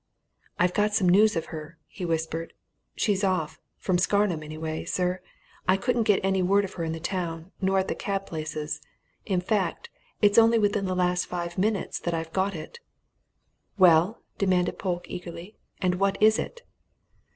"I've got some news of her," he whispered. "She's off from Scarnham, anyway, sir! I couldn't get any word of her in the town, nor at the cab places: in fact, it's only within this last five minutes that I've got it." "Well?" demanded Polke eagerly. "And what is it?"